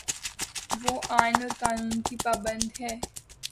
وہ آئین اور قانون کی پابند ہے۔